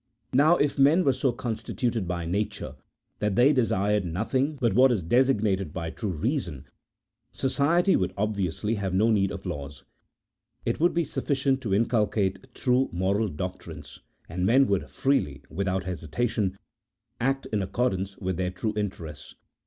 Now if men were so constituted by nature that they de sired nothing but what is designated by true reason, society would obviously have no need of laws : it would be suffi cient to inculcate true moral doctrines; and men would freely, without hesitation, act in accordance with their true interests.